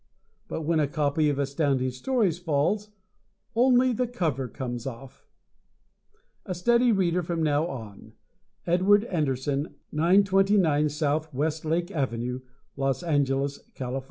But when a copy of Astounding Stories falls only the cover comes off. A steady reader from now on. Edward Anderson, 929 S. Westlake Ave., Los Angeles, Calif.